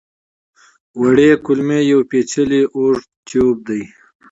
وړې کولمې یو پېچلی اوږد ټیوب دی.